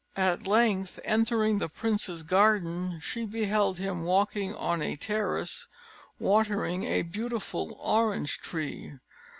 At length, entering the prince's gardens, she beheld him walking on a terrace watering a beautiful orange tree.